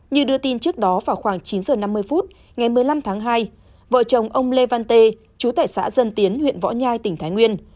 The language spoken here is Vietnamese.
như đưa tin trước đó vào khoảng chín h năm mươi phút ngày một mươi năm tháng hai vợ chồng ông lê văn tê chú tệ xã dân tiến huyện võ nhai tỉnh thái nguyên